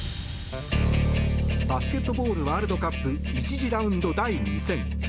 バスケットボールワールドカップ１次ラウンド第２戦。